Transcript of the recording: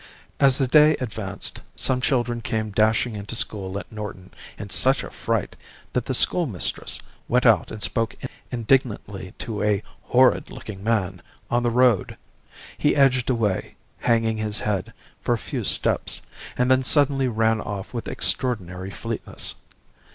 As the day advanced, some children came dashing into school at Norton in such a fright that the schoolmistress went out and spoke indignantly to a 'horrid looking man' on the road. He edged away, hanging his head, for a few steps, and then suddenly ran off with extraordinary fleetness.